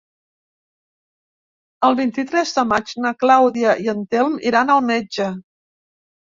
El vint-i-tres de maig na Clàudia i en Telm iran al metge.